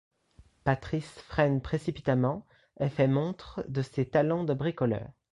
Patrice freine précipitamment et fait montre de ses talents de bricoleur.